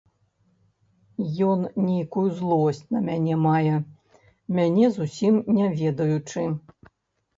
Ён нейкую злосць на мяне мае, мяне зусім не ведаючы.